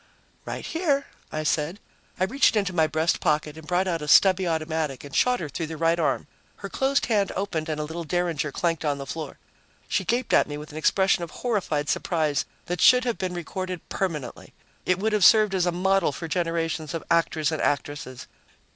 "Right here," I said. I reached into my breast pocket and brought out a stubby automatic and shot her through the right arm. Her closed hand opened and a little derringer clanked on the floor. She gaped at me with an expression of horrified surprise that should have been recorded permanently; it would have served as a model for generations of actors and actresses.